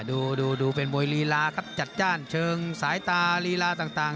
ดูดูเป็นมวยลีลาครับจัดจ้านเชิงสายตาลีลาต่าง